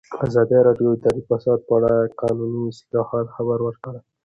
ازادي راډیو د اداري فساد په اړه د قانوني اصلاحاتو خبر ورکړی.